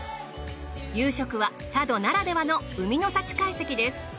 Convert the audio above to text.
夕食は佐渡ならではの海の幸会席です。